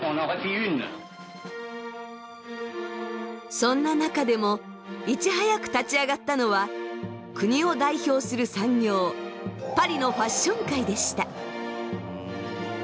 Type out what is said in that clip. そんな中でもいち早く立ち上がったのは国を代表する産業パリのファッション界でした。